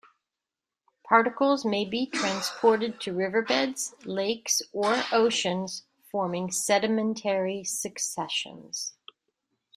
Particles may be transported to riverbeds, lakes, or oceans, forming sedimentary successions.